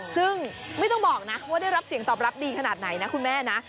ซึ่งไม่ต้องบอกนะว่าได้รับเสียงตอบรับดีขนาดไหนนะคุณแม่นะ